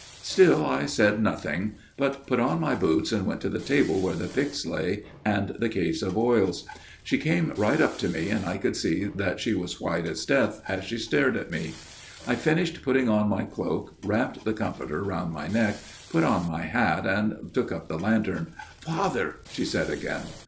" Still I said nothing ; but put on my boots and went to the table where the pyx lay and the case of oils. " She came right up to me, and I could see that she was as white as death as she stared at me. " I finished putting on my cloak, wrapped the comforter round my neck, put on my hat and took up the lantern. "' Father,' she said again.